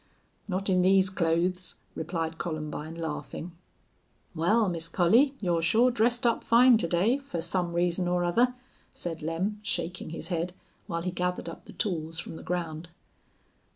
"Not in these clothes," replied Columbine, laughing. "Wal, Miss Collie, you're shore dressed up fine to day, fer some reason or other," said Lem, shaking his head, while he gathered up the tools from the ground.